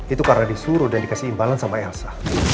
itu karena disuruh dan dikasih imbalan sama elsa